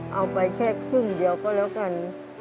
เอาไปแค่ครึ่งเดียวก็แล้วกัน